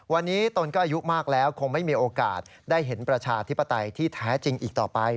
วันนี้ตนก็อายุมากแล้วคงไม่มีโอกาสได้เห็นประชาธิปไตยที่แท้จริงอีกต่อไป